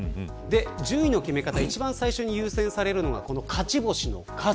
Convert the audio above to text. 順位の決め方一番最初に優先されるのがこの勝ち星の数。